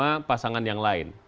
hanya terjadi di pasangan yang lain